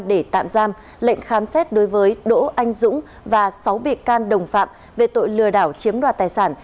để tạm giam lệnh khám xét đối với đỗ anh dũng và sáu bị can đồng phạm về tội lừa đảo chiếm đoạt tài sản